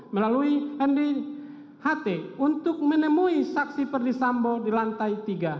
melalui ndht untuk menemui saksi perdisambo di lantai tiga